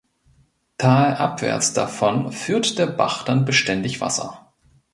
Talabwärts davon führt der Bach dann beständig Wasser.